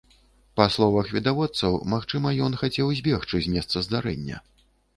Па словах відавочцаў, магчыма, ён хацеў збегчы з месца здарэння.